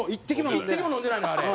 一滴も飲んでないのよあれ。